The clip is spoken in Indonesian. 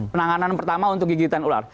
penanganan pertama untuk gigitan ular